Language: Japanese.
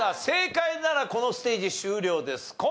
正解ならこのステージ終了です。